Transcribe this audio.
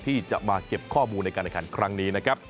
ที่จะมาเก็บข้อมูลในการอาคารครั้งนี้